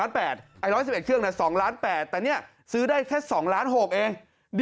ไอโฟน๑๑๑เครื่อง๒๘๐๐๐๐๐แต่นี่ซื้อได้แค่๒๖๐๐๐๐๐เอง